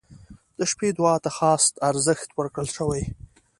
• د شپې دعا ته خاص ارزښت ورکړل شوی.